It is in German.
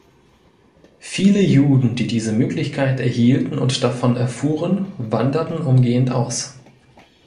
Viele Juden, die diese Möglichkeit erhielten und davon erfuhren, wanderten umgehend aus.